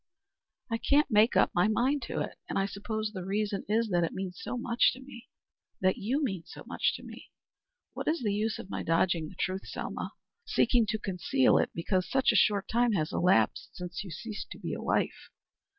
"I can't make up my mind to it. And I suppose the reason is that it means so much to me that you mean so much to me. What is the use of my dodging the truth, Selma seeking to conceal it because such a short time has elapsed since you ceased to be a wife?